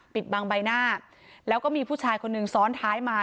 ปิดบังใบหน้าแล้วก็มีผู้ชายคนนึงซ้อนท้ายมา